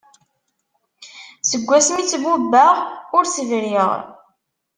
Seg ass mi i tt-bubbeɣ ur s-briɣ.